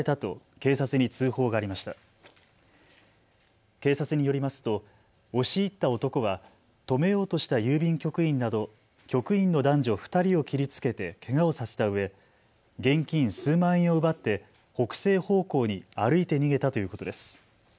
警察によりますと押し入った男は止めようとした郵便局員など局員の男女２人を切りつけてけがをさせたうえ現金数万円を奪って北西方向に歩いて逃げたということです。